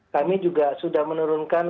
kami juga sudah menurunkan